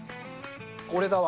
これだわ。